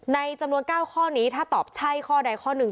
ในจำนวน๙ข้อนี้ถ้าตอบใช่ข้อใดข้อหนึ่ง